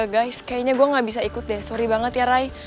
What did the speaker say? guys kayaknya gue gak bisa ikut deh sorry banget ya rai